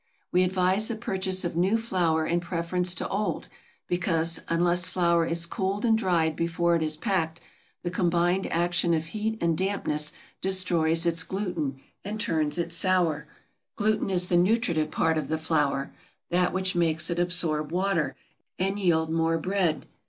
We advise the purchase of new flour in preference to old, because, unless flour is cooled and dried before it is packed, the combined action of heat and dampness destroys its gluten, and turns it sour; gluten is the nutritive part of the flour, that which makes it absorb water, and yield more bread.